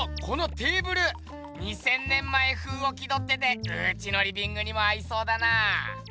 このテーブル２，０００年前風を気どっててうちのリビングにも合いそうだな！